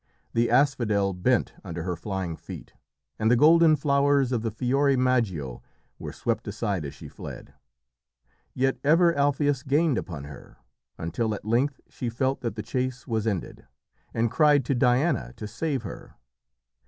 The asphodel bent under her flying feet, and the golden flowers of the Fiori Maggio were swept aside as she fled. Yet ever Alpheus gained upon her, until at length she felt that the chase was ended, and cried to Diana to save her.